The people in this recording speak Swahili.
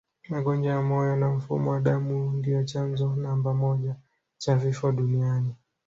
Magonjwa ya moyo na mfumo wa damu ndio chanzo namba moja cha vifo duniani